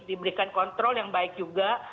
diberikan kontrol yang baik juga